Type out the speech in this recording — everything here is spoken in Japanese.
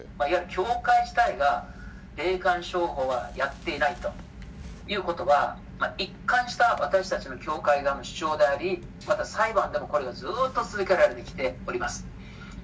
教会自体が霊感商法はやっていないということは、一貫した私たちの教会側の主張であり、また裁判でもこれがずっと続けられてきております。